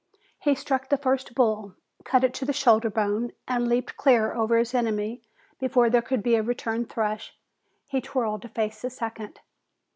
He struck the first bull, cut it to the shoulder bone, and leaped clear over his enemy before there could be a return thrust. He whirled to face the second.